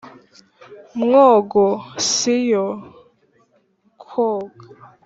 mwogo si yo kwoga